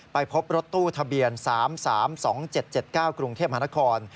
ไปพบรถตู้ทะเบียน๓๓๒๗๗๙กรุงเทพมหานคร